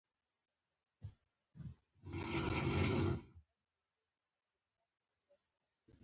بهترين انسان هغه دی چې، خير يې بل انسان ته رسيږي.